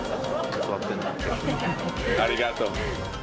ありがとう。